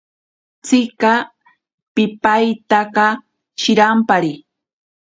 Tsika pipaitaka shirampari.